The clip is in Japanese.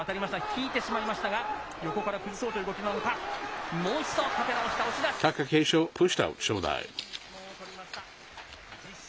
引いてしまいましたが、横から崩そうという動きなのか、もう一度、立て直した、押し出し。